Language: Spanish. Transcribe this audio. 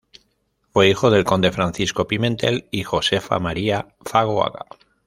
Fue hijo del conde Francisco Pimentel y Josefa María Fagoaga.